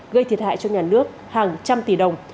gây thiệt hại cho nhà nước hàng trăm tỷ đồng